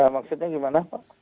maksudnya gimana pak